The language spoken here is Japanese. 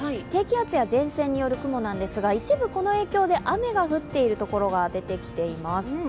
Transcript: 低気圧や前線による雲なんですが、一部この影響で雨が降っているところが出てきています。